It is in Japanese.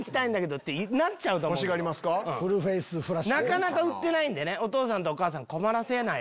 なかなか売ってないんでお父さんお母さん困らせないようにね。